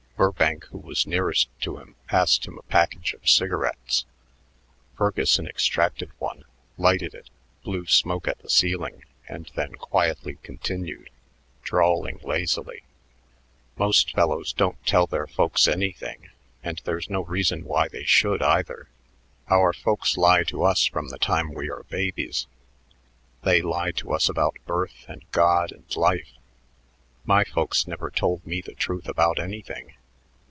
Burbank, who was nearest to him, passed him a package of cigarettes. Ferguson extracted one, lighted it, blew smoke at the ceiling, and then quietly continued, drawling lazily: "Most fellows don't tell their folks anything, and there's no reason why they should, either. Our folks lie to us from the time we are babies. They lie to us about birth and God and life. My folks never told me the truth about anything.